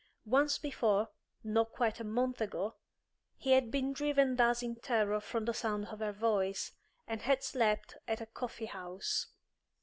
Once before, not quite a month ago, he had been driven thus in terror from the sound of her voice, and had slept at a coffeehouse.